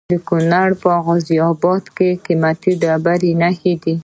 د کونړ په غازي اباد کې د قیمتي ډبرو نښې دي.